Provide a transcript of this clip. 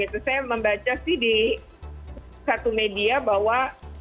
saya membaca di satu media bahwa